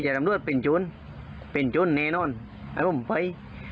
อย่างเดิมไป